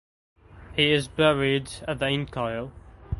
He is buried at the in Kiel.